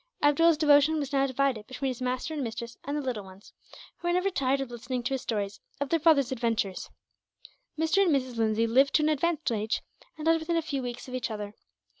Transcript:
Abdool's devotion was now divided between his master and mistress and the little ones, who were never tired of listening to his stories of their father's adventures. Mr. and Mrs. Lindsay lived to an advanced age, and died within a few weeks of each other.